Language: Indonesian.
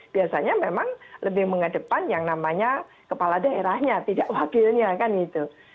biasanya memang lebih mengedepan yang namanya kepala daerahnya tidak wakilnya kan gitu